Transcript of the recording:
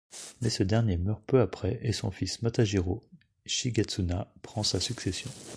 Mais ce dernier meurt peu après et son fils Matajirō Shigetsuna prend sa succession.